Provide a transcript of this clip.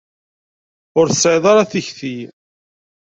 Ur tesɛiḍ ara tikti.